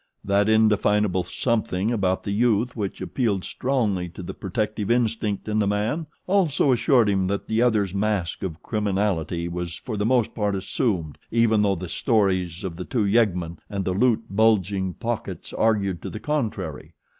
That indefinable something about the youth which appealed strongly to the protective instinct in the man, also assured him that the other's mask of criminality was for the most part assumed even though the stories of the two yeggmen and the loot bulging pockets argued to the contrary.